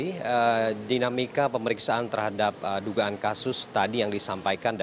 jadi dinamika pemeriksaan terhadap dugaan kasus tadi yang disampaikan